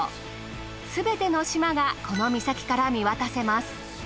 すべての島がこの岬から見渡せます。